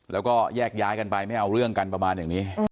แล้วก็แยกย้ายกันไปไม่เอาเรื่องกันประมาณอย่างนี้